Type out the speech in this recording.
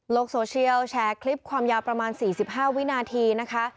โซเชียลแชร์คลิปความยาวประมาณ๔๕วินาทีนะคะ